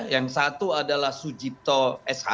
yang satu adalah sujipto s h